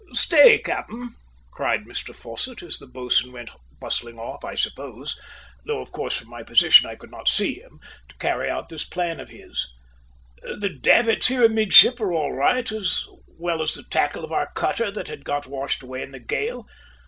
"Stay, cap'en," cried Mr Fosset as the boatswain went bustling off, I suppose, though of course from my position I could not see him, to carry out this plan of his. "The davits here amidship are all right, as well as the tackle of our cutter that had got washed away in the gale.